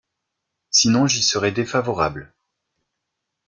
Sinon j’y serai défavorable.